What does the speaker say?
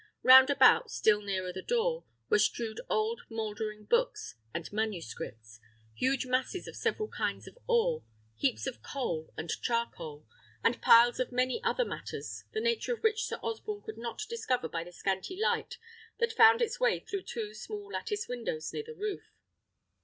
Round about, still nearer the door, were strewed old mouldering books and manuscripts, huge masses of several kinds of ore, heaps of coal and charcoal, and piles of many other matters, the nature of which Sir Osborne could not discover by the scanty light that found its way through two small lattice windows near the roof.